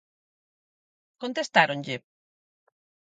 ¿Contestáronlle?